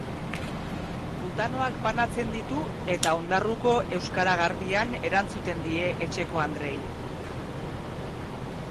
Butanoak banatzen ditu eta ondarruko euskara garbian erantzuten die etxekoandreei.